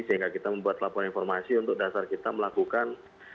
sehingga kita membuat laporan informasi untuk dasar kita melakukan